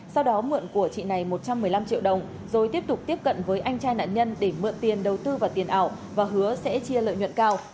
sau đó mượn của chị này một trăm một mươi năm triệu đồng rồi tiếp tục tiếp cận với anh trai nạn nhân để mượn tiền đầu tư vào tiền ảo và hứa sẽ chia lợi nhuận cao